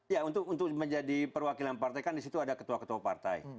ya untuk menjadi perwakilan partai kan disitu ada ketua ketua partai